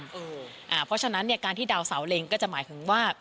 เพราะฉะนั้นเนี่ยการที่ดาวเสาเล็งก็จะหมายถึงว่า